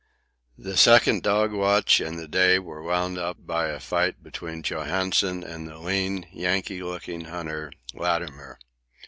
The second dog watch and the day were wound up by a fight between Johansen and the lean, Yankee looking hunter, Latimer.